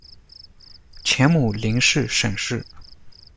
前母凌氏；沈氏。